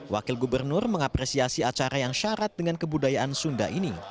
wakil gubernur mengapresiasi acara yang syarat dengan kebudayaan sunda ini